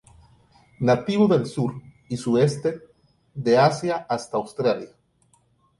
Nativo del sur y sudeste de Asia hasta Australia.